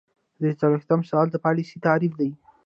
درې څلویښتم سوال د پالیسۍ تعریف دی.